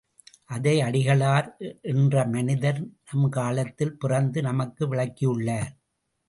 அதை அடிகளார் என்ற மனிதர் நம் காலத்தில் பிறந்து, நமக்கு விளக்கியுள்ளார்.